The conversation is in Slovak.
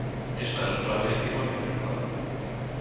Dnešná rozprava je výborným príkladom.